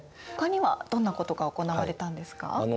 ほかにはどんなことが行われたんですか？